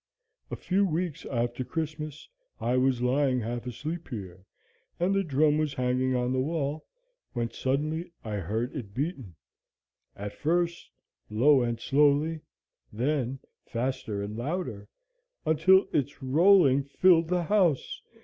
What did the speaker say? A few weeks after Christmas, I was lying half asleep here, and the drum was hanging on the wall, when suddenly I heard it beaten; at first, low and slowly, then faster and louder, until its rolling filled the house.